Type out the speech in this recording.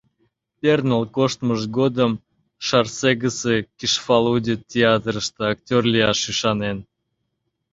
Перныл коштмыж годым Шарсегысе Кишфалуди театрыште актёр лияш ӱшанен.